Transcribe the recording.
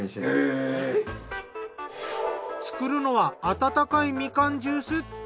作るのは温かいみかんジュース。